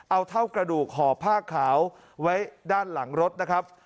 เอาเท่ากระดูกห่อผ้าขาวไว้ด้านหลังรถนะครับ